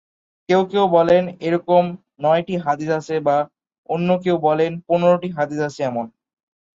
কেউ কেউ বলেন এরকম নয়টি হাদীস আছে, বা অন্য কেউ বলেন পনেরটি হাদিস আছে এমন।